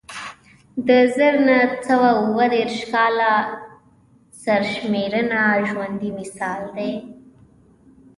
د زر نه سوه اووه دېرش کال سرشمېرنه ژوندی مثال دی